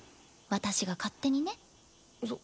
私が勝手にね。